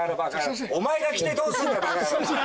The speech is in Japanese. お前が着てどうすんだよ！